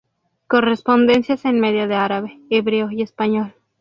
Correspondencias en medio de árabe, hebreo, y español.